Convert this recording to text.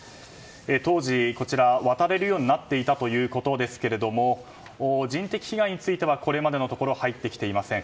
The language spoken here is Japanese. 当時、渡れるようになっていたということですが人的被害についてはこれまでのところ入ってきていません。